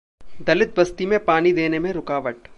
दलित बस्ती में पानी देने में रुकावट